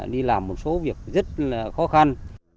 đi làm một số việc rất là khó khăn